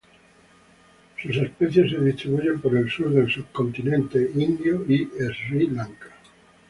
Sus especies se distribuyen por el sur del subcontinente indio y Sri Lanka.